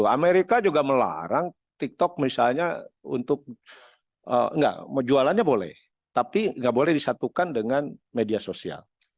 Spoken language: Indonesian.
amerika juga melarang tiktok misalnya untuk enggak jualannya boleh tapi nggak boleh disatukan dengan media sosial